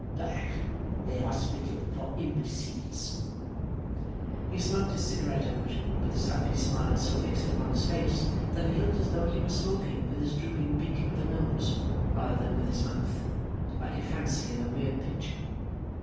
Bah! A hospital for imbeciles!' He smoked his cigarette out, with his ugly smile so fixed upon his face that he looked as though he were smoking with his drooping beak of a nose, rather than with his mouth; like a fancy in a weird picture.